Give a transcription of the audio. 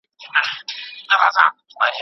مبارزه کول اتلولي ده.